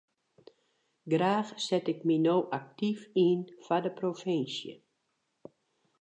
Graach set ik my no aktyf yn foar de provinsje.